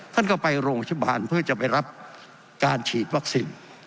ท่านก็ไปโรงพยาบาลเพื่อจะไปรับการฉีดวัคซีน